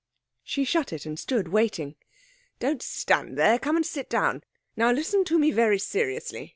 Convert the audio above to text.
She shut it, and stood waiting. 'Don't stand there. Come and sit down.... Now listen to me very seriously.